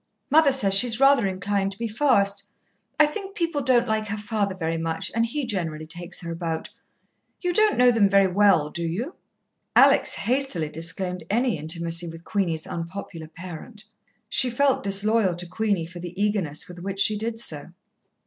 Mother says she's rather inclined to be fast. I think people don't like her father very much, and he generally takes her about. You don't know them very well, do you?" Alex hastily disclaimed any intimacy with Queenie's unpopular parent. She felt disloyal to Queenie for the eagerness with which she did so.